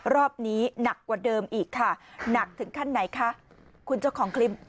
รอบนี้หนักกว่าเดิมอีกค่ะหนักถึงขั้นไหนคะคุณเจ้าของคลิป